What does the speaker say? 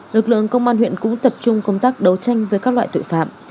lực lượng công an huyện cũng tập trung công tác đấu tranh với các loại tội phạm